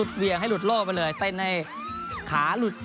จริงว่านั่